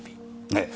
ええ。